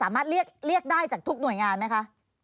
เรียกได้จากทุกหน่วยงานไหมคะ